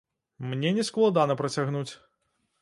Мне не складана працягнуць.